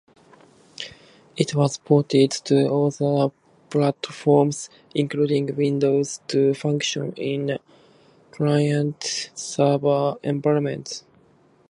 It was ported to other platforms, including Windows, to function in a client-server environment.